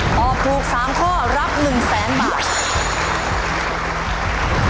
ตอบถูกสามข้อรับหนึ่งแสนบาท